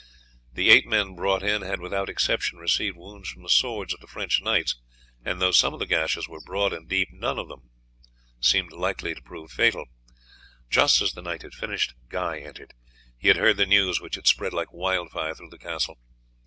The eight men brought in had without exception received wounds from the swords of the French knights, and though some of the gashes were broad and deep, none of them were likely to prove fatal. Just as the knight had finished, Guy entered. He had heard the news, which had spread like wildfire through the castle.